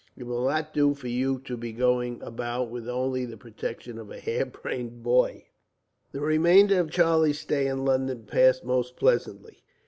It will not do for you to be going about with only the protection of a hare brained boy." The remainder of Charlie's stay in London passed most pleasantly.